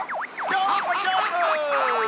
どーもどーも！